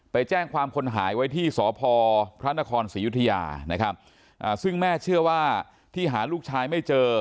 ไปแจ้งความคนหายไว้ที่สพพระนครศรียุธยานะครับซึ่งแม่เชื่อว่าที่หาลูกชายไม่เจอ